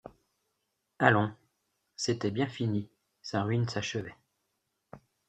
Allons! c’était bien fini, sa ruine s’achevait.